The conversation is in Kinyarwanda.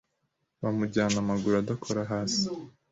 bamujyana amaguru adakora hasi